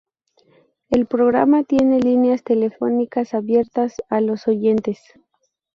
El programa tiene líneas telefónicas abiertas a los oyentes.